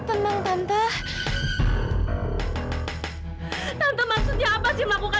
apa yang anda tauntangkan kepada presiden anda